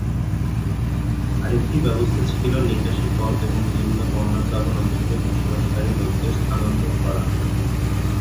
আর একটি ব্যবস্থা ছিল নিকাশী পথ এবং নিম্ন-বন্যা প্লাবন অঞ্চলে বসবাসকারী লোকদের স্থানান্তর করা।